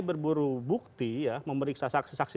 berburu bukti ya memeriksa saksi saksi